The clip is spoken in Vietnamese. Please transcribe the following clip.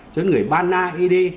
cho đến người ba na ý đê